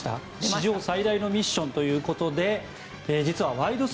史上最大のミッションということで実は「ワイド！